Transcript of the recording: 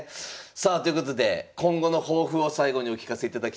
さあということで今後の抱負を最後にお聞かせいただきたいと思います。